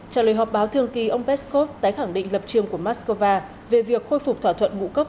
trả lời họp báo thường kỳ ông peskov tái khẳng định lập trường của moscow về việc khôi phục thỏa thuận ngũ cốc